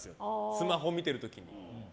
スマホを見てる時に。